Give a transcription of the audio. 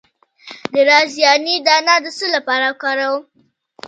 د رازیانې دانه د څه لپاره وکاروم؟